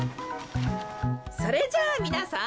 それじゃあみなさん